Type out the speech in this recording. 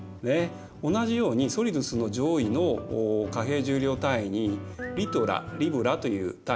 同じようにソリドゥスの上位の貨幣重量単位にリトゥラリブラという単位がありました。